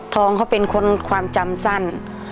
ทองเขาเป็นคนความจำสั้น